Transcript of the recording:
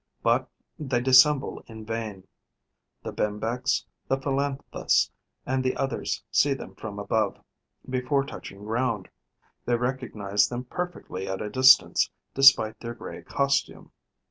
But they dissemble in vain: the Bembex, the Philanthus and the others see them from above, before touching ground; they recognize them perfectly at a distance, despite their grey costume.